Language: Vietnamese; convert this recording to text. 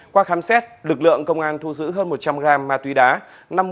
qua khám xét lực lượng công an thu giữ hơn một trăm linh gram ma túy đá